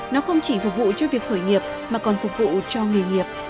nó không chỉ phục vụ cho việc khởi nghiệp mà còn phục vụ cho nghề nghiệp